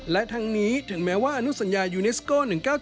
และทั้งนี้ถึงแม้ว่าอนุสัญญายูนิสโก้๑๙๗